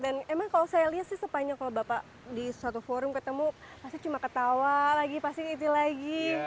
dan emang kalau saya lihat sih sepanjang kalau bapak di suatu forum ketemu pasti cuma ketawa lagi pasti itu lagi